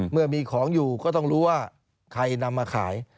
เมื่อมีของอยู่ก็ต้องรู้ว่าใครนำมาขาย